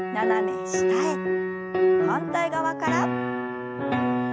反対側から。